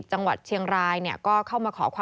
พวกเราเองก็ทั้งตอนนี้